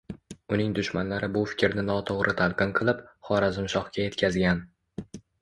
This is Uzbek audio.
Uning dushmanlari bu fikrni notoʻgʻri talqin qilib, Xorazmshohga yetkazgan